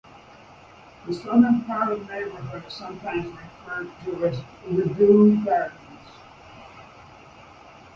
The southern part of the neighbourhood is sometimes referred to as Rideau Gardens.